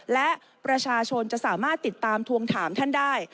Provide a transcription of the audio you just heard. และประชาชนจะสามารถติดตามทวงถามท่านได้